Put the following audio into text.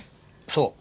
そう。